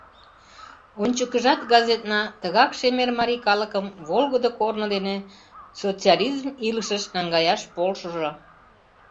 Ончыкыжат газетна тыгак шемер марий калыкым волгыдо корно дене социализм илышвий наҥгаяш полшыжо.